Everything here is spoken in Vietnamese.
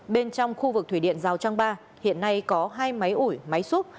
bên trong khu vực thủy điện giao trang ba hiện nay có hai máy ủi máy xúc